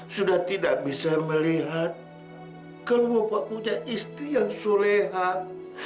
sudah tidak bisa melihat kalau bapak punya istri yang solehat